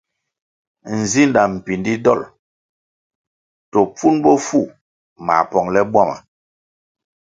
Nzinda mpindi dol to pfun bofu mā pongʼle bwama.